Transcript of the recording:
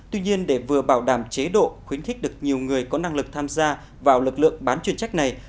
tuy nhiên để vừa bảo đảm chế độ khuyến khích được nhiều người có năng lực tham gia vào lực lượng bán chuyên trách này